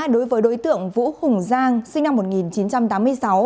đối với đối tượng vũ hùng giang sinh năm một nghìn chín trăm tám mươi sáu